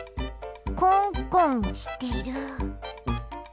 コンコンしてる。